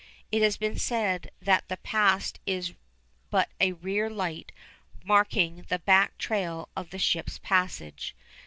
It has been said that the past is but a rear light marking the back trail of the ship's passage.